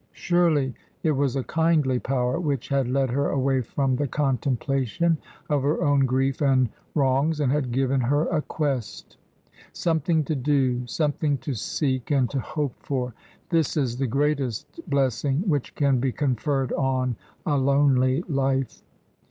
Surely it was a kindly power which had led her away from the contemplation of her own grief and wrongs, and had given her a quest! Something to do, something to seek and to hope for this is the greatest blessing which can be conferred on a lonely life.